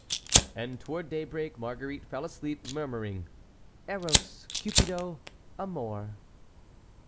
And toward daybreak Marguerite fell asleep, murmuring: "Eros, Cupido, Amor."